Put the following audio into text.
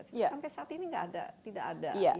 sampai saat ini tidak ada